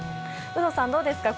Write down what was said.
有働さんはどうですか。